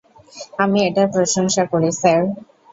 আমি এটার প্রশংসা করি, স্যার।